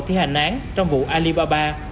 thi hành án trong vụ alibaba